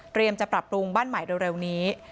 จะปรับปรุงบ้านใหม่เร็วนี้